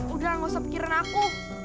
udah gak usah pikirin aku